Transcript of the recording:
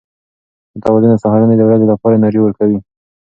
متوازنه سهارنۍ د ورځې لپاره انرژي ورکوي.